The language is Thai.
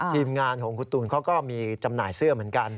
ทีมงานของคุณตูนเขาก็มีจำหน่ายเสื้อเหมือนกัน